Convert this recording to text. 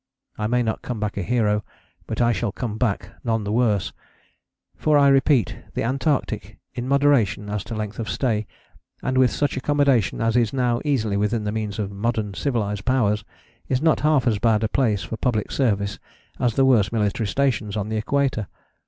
I may not come back a hero; but I shall come back none the worse; for I repeat, the Antarctic, in moderation as to length of stay, and with such accommodation as is now easily within the means of modern civilized Powers, is not half as bad a place for public service as the worst military stations on the equator.